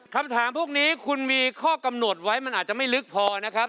คำถามพวกนี้คุณมีข้อกำหนดไว้มันอาจจะไม่ลึกพอนะครับ